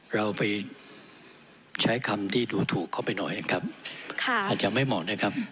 เราไปใช้คำที่ดูถูกเข้าไปหน่อยครับค่ะอาจจะไม่เหมาะนะครับ